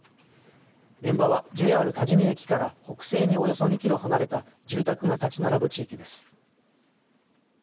現場はＪＲ多治見駅から北西におよそ２キロ離れた住宅が立ち並ぶ地域です。